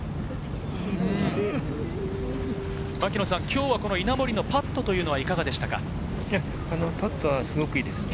今日は稲森のパットはいかがでしたか？